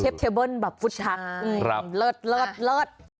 เชฟเชี่ยวบ้นแบบฟุตทักเลิศเลิศเลิศ